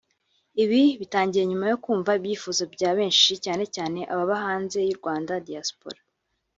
Ibi bitangiye nyuma yo nkumva ibyifuzo bya benshi cyane cyane ababa hanze y'u Rwanda (Diaspora)